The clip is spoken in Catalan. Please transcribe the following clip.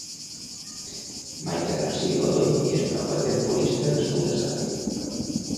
Maica García i Godoy és una waterpolista nascuda a Sabadell.